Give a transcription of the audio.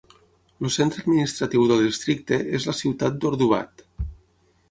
El centre administratiu del districte és la ciutat d'Ordubad.